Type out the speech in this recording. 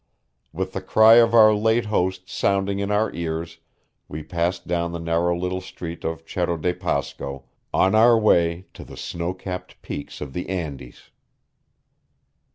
With the cry of our late host sounding in our ears we passed down the narrow little street of Cerro de Pasco on our way to the snow capped peaks of the Andes.